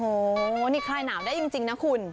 โอ้โหนี่คลายหนาวได้จริงนะคุณ